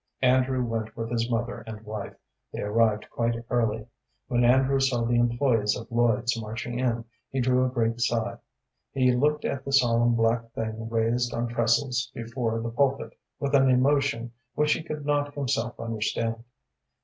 Andrew went with his mother and wife. They arrived quite early. When Andrew saw the employés of Lloyd's marching in, he drew a great sigh. He looked at the solemn black thing raised on trestles before the pulpit with an emotion which he could not himself understand.